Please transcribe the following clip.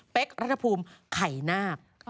เป๊ครัทธพูมไข่นาก